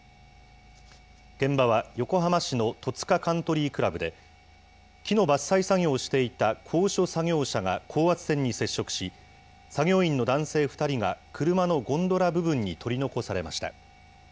現場は横浜市の戸塚カントリー倶楽部で、木の伐採作業をしていた高所作業車が高圧線に接触し、作業員の男性２人が車のゴンドラ部分に取り残されました。